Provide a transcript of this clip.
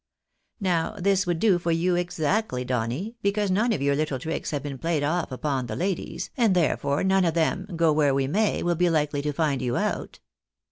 Now this would do for you exactly, Donny, because none of your little tricks have been played off upon the ladies, and therefore none of them, go where we may, will be likely to find you out."